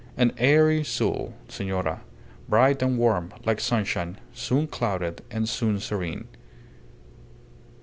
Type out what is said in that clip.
An airy soul, senora! Bright and warm, like sunshine soon clouded, and soon serene.